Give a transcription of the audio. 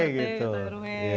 ketua rt ketua rw